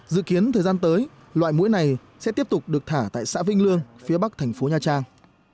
dự kiến thời gian tới loại mũi này sẽ tiếp tục được thả tại xã vinh lương phía bắc thành phố nha trang